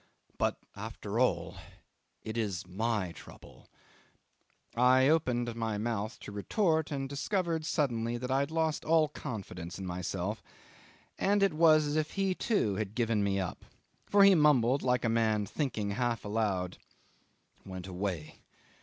"But after all, it is my trouble." I opened my mouth to retort, and discovered suddenly that I'd lost all confidence in myself; and it was as if he too had given me up, for he mumbled like a man thinking half aloud. "Went away